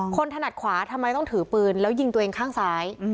ถนัดขวาทำไมต้องถือปืนแล้วยิงตัวเองข้างซ้าย